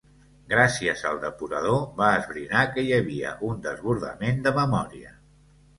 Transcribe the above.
Gràcies al depurador, va esbrinar que hi havia un desbordament de memòria.